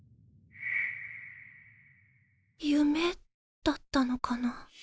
夢だったのかな。